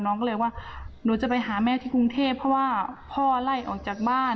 น้องก็เลยว่าหนูจะไปหาแม่ที่กรุงเทพเพราะว่าพ่อไล่ออกจากบ้าน